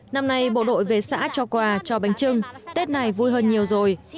năm nay bộ đội về xã cho quà cho bánh trưng tết này vui hơn nhiều rồi